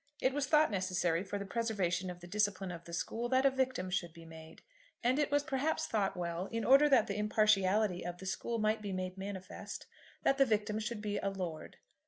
It was thought necessary, for the preservation of the discipline of the school, that a victim should be made; and it was perhaps thought well, in order that the impartiality of the school might be made manifest, that the victim should be a lord.